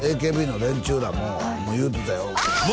ＡＫＢの連中らも言うてたよ